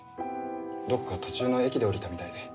どこか途中の駅で降りたみたいで。